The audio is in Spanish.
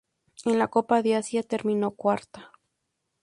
En la Copa de Asia terminó cuarta.